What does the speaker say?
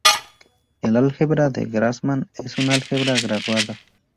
El álgebra de Grassmann es un álgebra graduada.